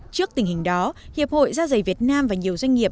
trước tình hình đó hiệp hội da dày việt nam và nhiều doanh nghiệp